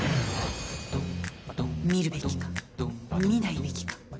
見るべきか、見ないべきか。